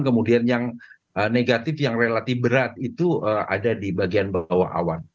kemudian yang negatif yang relatif berat itu ada di bagian bawah awan